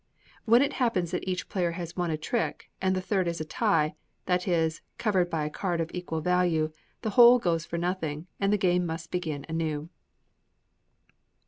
When it happens that each player has won a trick, and the third is a tie that is, covered by a card of equal value the whole goes for nothing, and the game must begin anew.